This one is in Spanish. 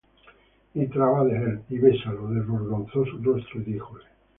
Y traba de él, y bésalo; Desvergonzó su rostro, y díjole: